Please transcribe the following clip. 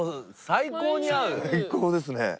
最高ですね。